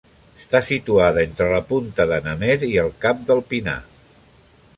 Està situada entre la Punta de n'Amer i el Cap del Pinar.